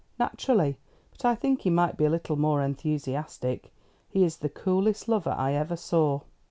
"Naturally. But I think he might be a little more enthusiastic. He is the coolest lover I ever saw."